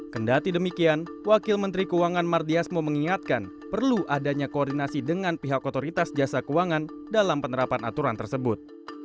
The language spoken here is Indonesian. kendati demikian wakil menteri keuangan mardiasmo mengingatkan perlu adanya koordinasi dengan pihak otoritas jasa keuangan dalam penerapan aturan tersebut